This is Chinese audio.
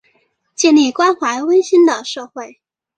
建立关怀温馨的社会